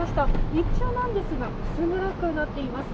日中なんですが薄暗くなっています。